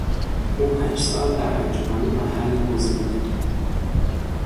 او پنج سال در انجمن محل عضو بود.